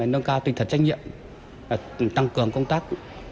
nâng cao tinh thần trách nhiệm tăng cường công tác